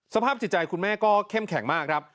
สภาพจิตใจคุณแม่ก็เข้มแข็งมากครับ